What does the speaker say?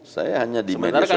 saya hanya di media sosial